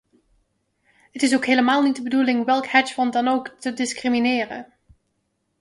Het is ook helemaal niet de bedoeling welk hedgefonds dan ook te discrimineren.